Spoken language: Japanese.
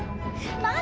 何？